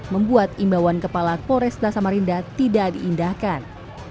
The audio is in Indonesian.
membuat imbauan kepala polresta samarinda tidak diindahkan